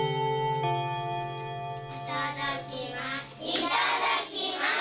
いただきます。